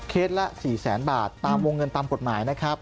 ละ๔แสนบาทตามวงเงินตามกฎหมายนะครับ